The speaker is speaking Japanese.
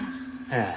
ええ。